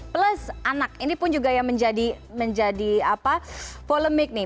plus anak ini pun juga yang menjadi polemik nih